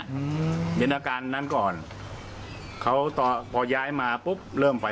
อืมเห็นอาการนั้นก่อนเขาตอนพอย้ายมาปุ๊บเริ่มไป